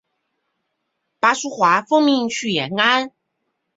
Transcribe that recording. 巴苏华奉命去延安。